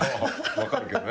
分かるけどね。